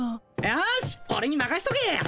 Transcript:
よしオレにまかしとけ。